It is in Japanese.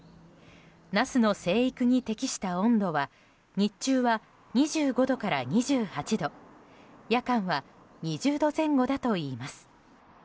ナスの生育に適した温度は日中は２５度から２８度夜間は２０度前後だといいます。